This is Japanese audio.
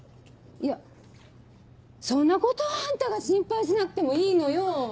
いやそんなことあんたが心配しなくてもいいのよ。